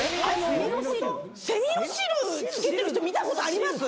セミの汁付けてる人見たことあります？